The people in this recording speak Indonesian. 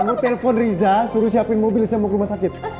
mau telpon riza suruh siapin mobil saya mau ke rumah sakit